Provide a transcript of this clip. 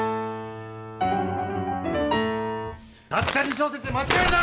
たった２小節で間違えるな！